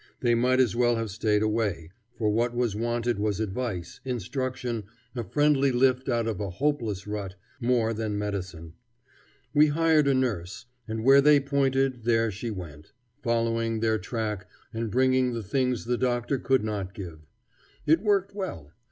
They might as well have stayed away, for what was wanted was advice, instruction, a friendly lift out of a hopeless rut, more than medicine. We hired a nurse, and where they pointed there she went, following their track and bringing the things the doctor could not give. It worked well.